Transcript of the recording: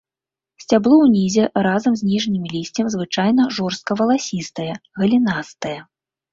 Сцябло ўнізе разам з ніжнім лісцем звычайна жорстка-валасістае, галінастае.